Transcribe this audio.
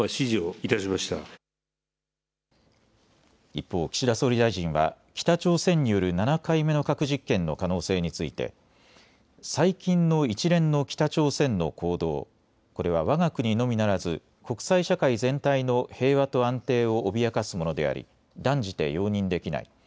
一方、岸田総理大臣は北朝鮮による７回目の核実験の可能性について最近の一連の北朝鮮の行動、これはわが国のみならず国際社会全体の平和と安定を脅かすものであり断じて容認できない。